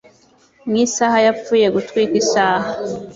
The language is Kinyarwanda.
Mu isaha yapfuye gutwika isaha